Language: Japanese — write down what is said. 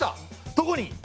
どこに？